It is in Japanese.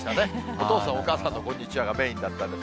お父さん、お母さんのこんにちはがメインだったんで。